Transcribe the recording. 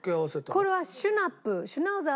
これはシュナプー。